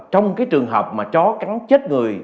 trong cái trường hợp mà chó cắn chết người